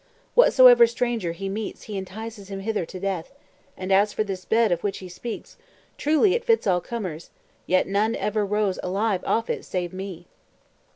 Whatsoever stranger he meets he entices him hither to death; and as for this bed of which he speaks, truly it fits all comers, yet none ever rose alive off it save me."